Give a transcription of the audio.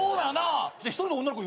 １人の女の子。